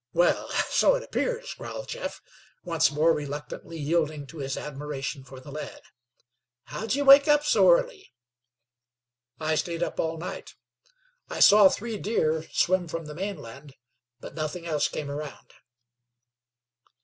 "Wal, so it 'pears," growled Jeff, once more reluctantly yielding to his admiration for the lad. "How'd ye wake up so early?" "I stayed up all night. I saw three deer swim from the mainland, but nothing else came around."